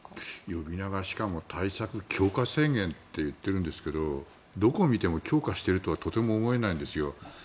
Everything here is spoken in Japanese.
呼び名がしかも、対策強化宣言って言ってるんですけどどこを見ても強化しているとはとても思えないんですよ。